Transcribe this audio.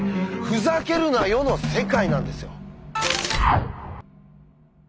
「ふざけるなよ」の世界なんですよ。